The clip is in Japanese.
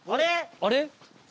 あれ？